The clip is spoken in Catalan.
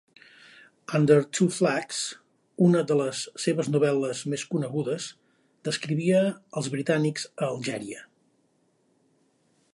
Under Two Flags, una de les seves novel·les més conegudes, descrivia els britànics a Algèria.